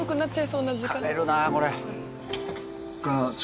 疲れるなこれ。